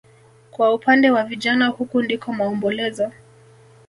Kwa upande wa vijana huku ndiko maombolezo